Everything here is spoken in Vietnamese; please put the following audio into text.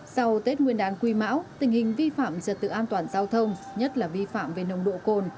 sau tết nguyên đán quý mão tình hình vi phạm trật tự an toàn giao thông nhất là vi phạm về nồng độ cồn